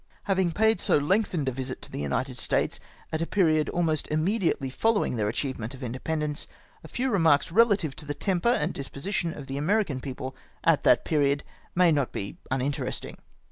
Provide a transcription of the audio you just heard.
Having paid so lengthened a visit to the United States at a period almost immediately following their achievement of independence, a few remarks relative to the temper and disposition of the American people at that period may not be uninteresting.